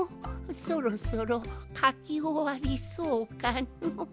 そろそろかきおわりそうかの？